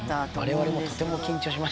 われわれもとても緊張しました。